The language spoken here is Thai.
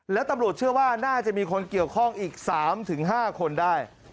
แล้วตำรวจเชื่อว่าน่าจะมีคนเกี่ยวข้องอีก๓๕คนได้